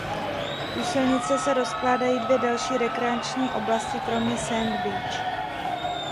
U silnice se rozkládají dvě další rekreační oblasti kromě Sand Beach.